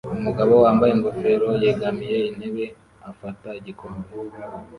Umugabo wambaye ingofero yegamiye intebe afata igikombe